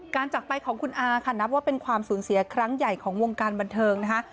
จากไปของคุณอาค่ะนับว่าเป็นความสูญเสียครั้งใหญ่ของวงการบันเทิงนะคะ